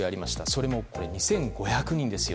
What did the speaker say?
それも２５００人ですよ。